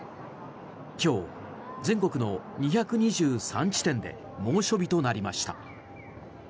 今日、全国の２２３地点で猛暑日となりました。